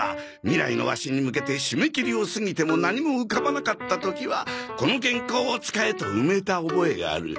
未来のワシに向けて締め切りを過ぎても何も浮かばなかった時はこの原稿を使えと埋めた覚えがある。